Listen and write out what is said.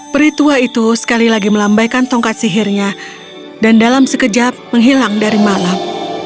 peritua itu sekali lagi melambaikan tongkat sihirnya dan dalam sekejap menghilang dari malam